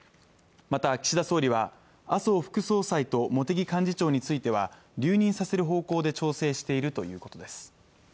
また岸田総理は麻生副総裁と茂木幹事長については留任させる方向で調整しているということです